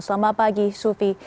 selamat pagi sufi